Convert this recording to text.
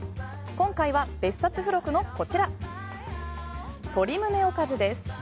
今回は別冊付録のこちら鶏胸おかずです。